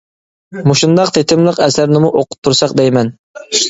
مۇشۇنداق تېتىملىق ئەسەرنىمۇ ئوقۇپ تۇرساق دەيمەن.